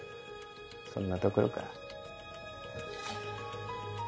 そんなところか。